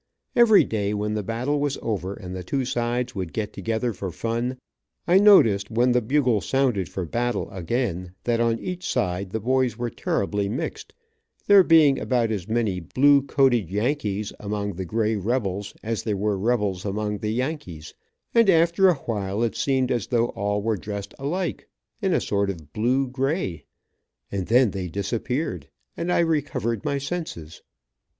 Every day, when the battle was over, and the two sides would get together for fun, I noticed when the bugle sounded for battle again, that on each side the boys were terribly mixed, there being about as many blue coated Yankees among the gray rebels as there were rebels among the Yankees, and after awhile it seemed as though all were dressed alike, in a sort of "blue gray," and then they disappeared, and I recovered my senses.